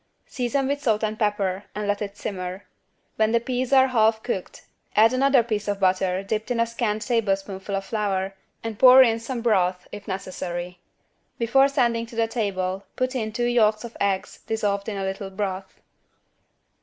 Season with salt and pepper and let it simmer. When the peas are half cooked add another piece of butter dipped in a scant tablespoonful of flour and pour in some broth, if necessary. Before sending to the table put in two yolks of eggs dissolved in a little broth.